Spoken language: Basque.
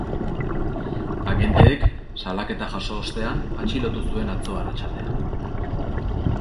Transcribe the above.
Agenteek salaketa jaso ostean, atxilotu zuen atzo arratsaldean.